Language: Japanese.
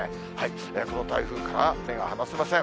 この台風から目が離せません。